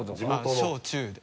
小・中で。